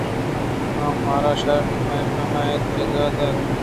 آ مارا شر نہ پهم ایت ءُ زاه دنت۔